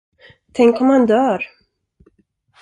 Tänk, om han dör!